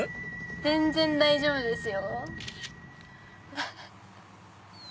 全然大丈夫ですよ。